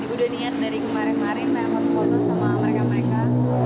udah niat dari kemarin kemarin saya foto foto sama mereka mereka